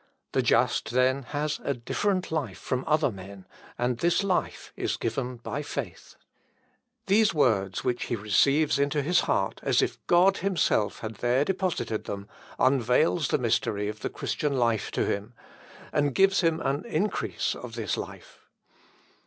The just, then, has a different life from other men, and this life is given by faith. These words, which he receives into his heart as if God himself had there deposited them, unveils the mystery of the Christian life to him, and gives him an increase of this life.